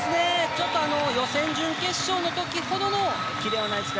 ちょっと予選、準決勝の時ほどのキレはないです。